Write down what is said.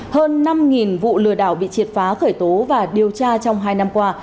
hơn năm vụ lừa đảo bị triệt phá khởi tố và điều tra trong hai năm qua